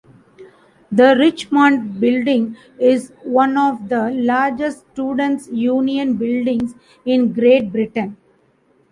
The Richmond Building is one of the largest students' union buildings in Great Britain.